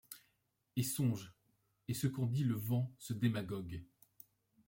Et songe ; et ce qu’en dit le vent, ce démagogue ;